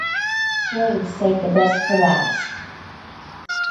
Graves' saved the best for last.